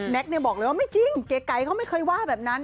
บอกเลยว่าไม่จริงเก๋ไก่เขาไม่เคยว่าแบบนั้น